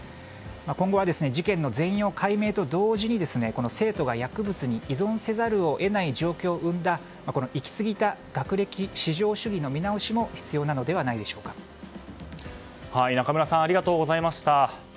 今後は、事件の全容解明と同時に生徒が薬物に依存せざるを得ない状況を生んだ行き過ぎた学歴至上主義の見直しも仲村さんありがとうございました。